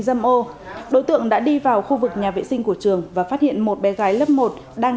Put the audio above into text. dâm ô đối tượng đã đi vào khu vực nhà vệ sinh của trường và phát hiện một bé gái lớp một đang